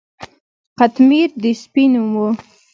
قطمیر د سپي نوم و.